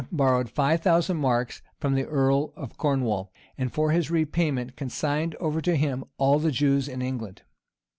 ] Henry III borrowed five thousand marks from the earl of Cornwall; and for his repayment consigned over to him all the Jews in England.